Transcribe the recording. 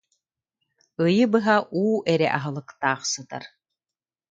Ыйы быһа уу эрэ аһылыктаах сытар